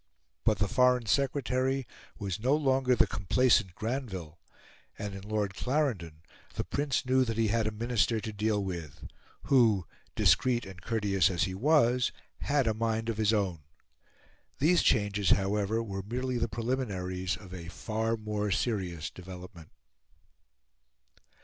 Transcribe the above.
But the Foreign Secretary was no longer the complacent Granville; and in Lord Clarendon the Prince knew that he had a Minister to deal with, who, discreet and courteous as he was, had a mind of his own. These changes, however, were merely the preliminaries of a far more serious development.